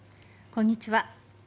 こんにちは。